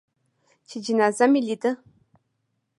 چې جنازه مې لېده.